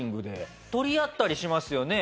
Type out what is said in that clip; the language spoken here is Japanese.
取り合ったりしますよね